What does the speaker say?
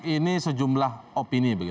ini sejumlah opini